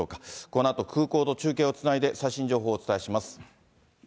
このあと、空港と中継をつないで、最新情報をお伝えします。